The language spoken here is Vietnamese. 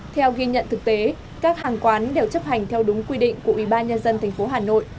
theo ghi nhận thực tế các hàng quán đều chấp hành theo đúng quy định của ủy ban nhân dân tp hà nội